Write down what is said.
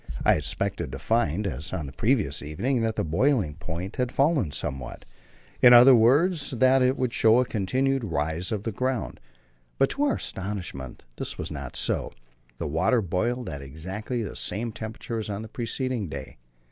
I expected to find, as on the previous evening, that the boiling point had fallen somewhat; in other words, that it would show a continued rise of the ground, but to our astonishment this was not so. The water boiled at exactly the same temperature as on the preceding day.